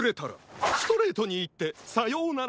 ストレートにいってさようなら